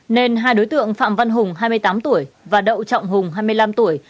nên hai đối tượng phạm văn hùng hai mươi tám tuổi và đậu trọng hùng hai mươi năm tuổi